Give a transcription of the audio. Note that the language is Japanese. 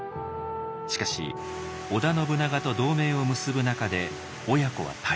しかし織田信長と同盟を結ぶ中で親子は対立。